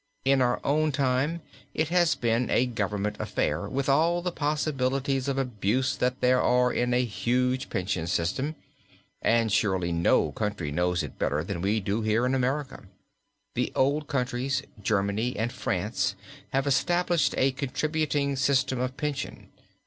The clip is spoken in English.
In our time it has been a government affair, with all the possibilities of abuse that there are in a huge pension system, and surely no country knows it better than we do here in America. The old countries, Germany and France, have established a contributing system of pension.